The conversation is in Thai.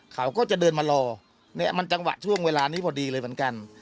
เขาก็จะเดินมารอเนี่ยมันจังหวะช่วงเวลานี้พอดีเลยเหมือนกัน